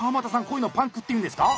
こういうのパンクっていうんですか？